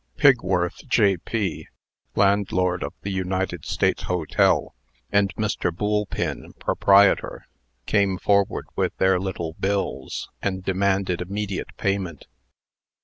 Pigworth, J. P., landlord of the United States Hotel, and Mr. Boolpin, proprietor, came forward with their little bills, and demanded immediate payment.